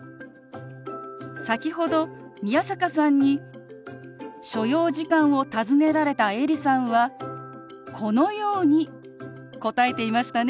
先ほど宮坂さんに所要時間を尋ねられたエリさんはこのように答えていましたね。